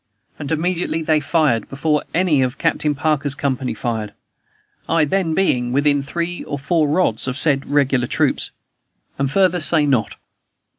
and immediately they fired, before any of Captain Parker's company fired, I then being within three or four rods of said regular troops. And further say not.